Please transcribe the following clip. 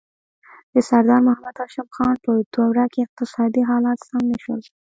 د سردار محمد هاشم خان په دوره کې اقتصادي حالات سم نه شول.